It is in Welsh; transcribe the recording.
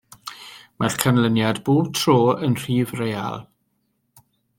Mae'r canlyniad bob tro yn rhif real.